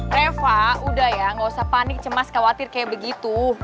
reva udah ya nggak usah panik cemas khawatir kayak begitu